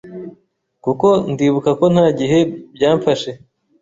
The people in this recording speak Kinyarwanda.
kuko ndibuka ko nta gihe byamfashe,